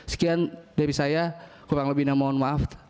sekian dari saya kurang lebihnya mohon maaf